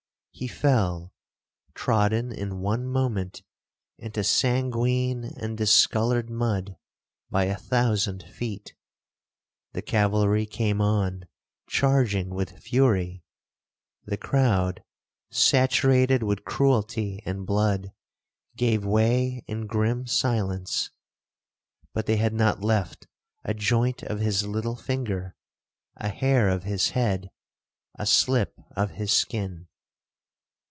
He fell, trodden in one moment into sanguine and discoloured mud by a thousand feet. The cavalry came on, charging with fury. The crowd, saturated with cruelty and blood, gave way in grim silence. But they had not left a joint of his little finger—a hair of his head—a slip of his skin.